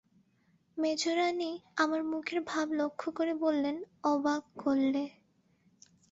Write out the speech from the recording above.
মেজোরানী আমার মুখের ভাব লক্ষ্য করে বললেন, অবাক করলে!